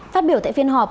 phát biểu tại phiên họp